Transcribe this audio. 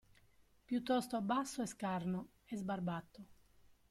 Piuttosto basso e scarno, e sbarbato.